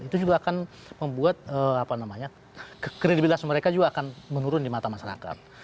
itu juga akan membuat kredibilitas mereka juga akan menurun di mata masyarakat